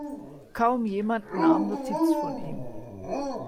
Kaum jemand nahm Notiz von ihm.